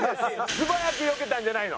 素早くよけたんじゃないの？